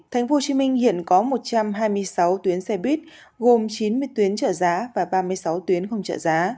thành phố hồ chí minh hiện có một trăm hai mươi sáu tuyến xe buýt gồm chín mươi tuyến trợ giá và ba mươi sáu tuyến không trợ giá